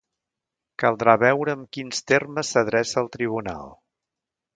Caldrà veure amb quins termes s’adreça al tribunal.